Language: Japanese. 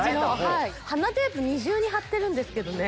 鼻テープ２重に張ってるんですけどね。